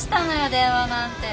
電話なんて。